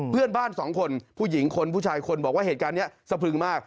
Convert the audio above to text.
เพื่อนบ้านสองคนผู้หญิงคนผู้ชายคนบอกว่าเหตุการณ์นี้สะพรึงมาก